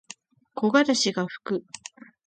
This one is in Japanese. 木枯らしがふく。